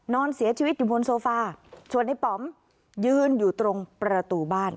นอนเสียชีวิตอยู่บนโซฟาส่วนในป๋อมยืนอยู่ตรงประตูบ้าน